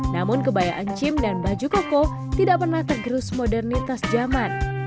namun kebayaan cim dan baju koko tidak pernah tergerus modernitas zaman